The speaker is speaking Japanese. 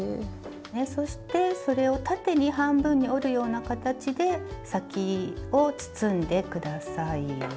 そしてそれを縦に半分に折るような形で先を包んで下さい。